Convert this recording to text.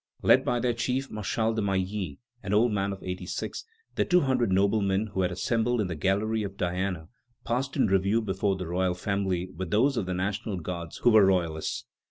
Led by their chief, Marshal de Mailly, an old man of eighty six, the two hundred noblemen, who had assembled in the Gallery of Diana, passed in review before the royal family with those of the National Guards who were royalists.